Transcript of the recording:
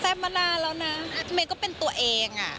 แซ่บมานานแล้วนะแม่ก็เป็นตัวเองอะ